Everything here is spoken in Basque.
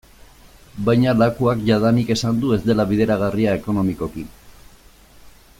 Baina Lakuak jadanik esan du ez dela bideragarria ekonomikoki.